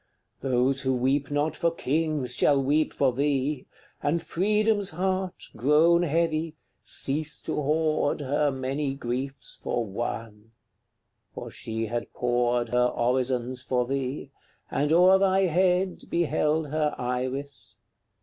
Those who weep not for kings shall weep for thee, And Freedom's heart, grown heavy, cease to hoard Her many griefs for One; for she had poured Her orisons for thee, and o'er thy head Beheld her Iris.